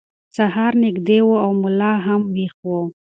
سهار نږدې و او ملا هم ویښ و.